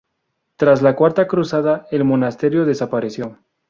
Tras la Cuarta Cruzada, el monasterio desapareció.